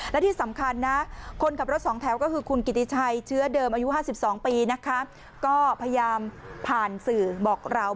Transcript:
และที่สำคัญนะคนขับรถสองแถวก็คือคุณกิติชัยเชื้อเดิมอายุ๕๒ปีนะคะ